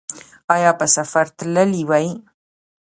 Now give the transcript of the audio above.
ایا په سفر تللي وئ؟